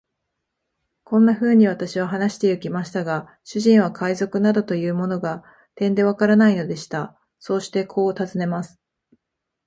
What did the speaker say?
こんなふうに私は話してゆきましたが、主人は海賊などというものが、てんでわからないのでした。そしてこう尋ねます。